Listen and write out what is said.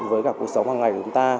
với cả cuộc sống hàng ngày của chúng ta